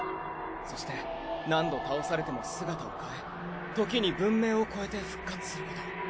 そして何度倒されても姿を変えときに文明を越えて復活すること。